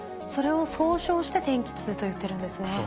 それを総称して「天気痛」といってるんですね。